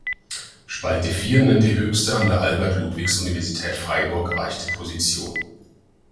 Spalte vier nennt die höchste an der Albert-Ludwigs-Universität Freiburg erreichte Position.